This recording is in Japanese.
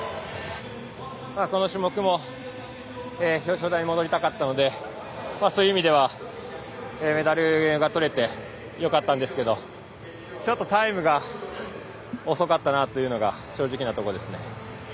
この種目も表彰台に上りたかったのでそういう意味ではメダルが取れてよかったんですけどちょっとタイムが遅かったなというのが正直なとこですね。